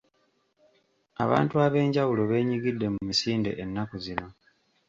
Abantu ab'enjawulo beenyigidde mu misinde ennaku zino.